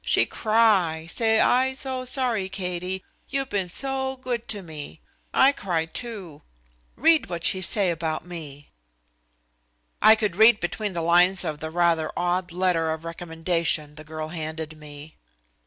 She cry, say 'I so sorry, Katie; you been so good to me.' I cry, too. Read what she say about me." I could read between the lines of the rather odd letter of recommendation the girl handed me.